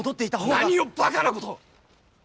何をバカなことを！